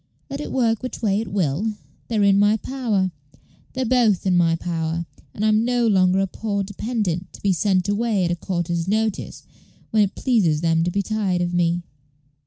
Let it work which way it will, they're in my power they're both in my power; and I'm no longer a poor dependent, to be sent away, at a quarter's notice, when it pleases them to be tired of me."